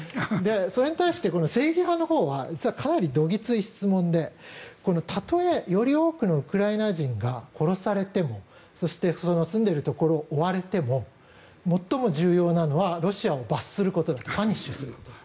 それに対して正義派のほうは実はかなり、どぎつい質問でたとえ、より多くのウクライナ人が殺されてもそして、住んでいるところを追われても最も重要なのはロシアを罰することだパニッシュすると。